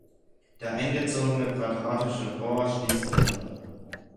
Der eingezogene quadratische Chor schließt gerade.